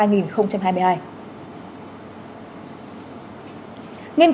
nghiên cứu trên được đưa ra trong bối cảnh